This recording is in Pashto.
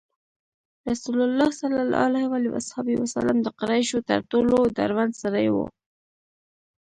رسول الله د قریشو تر ټولو دروند سړی و.